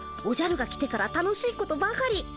おじゃるが来てから楽しいことばかり。